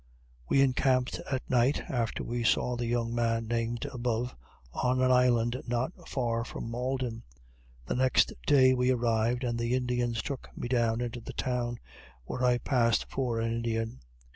We encamped at night, after we saw the young man named above, on an island not far from Malden. The next day we arrived, and the Indians took me down into the town, where I passed for an Indian.